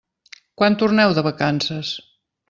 Quan torneu de vacances?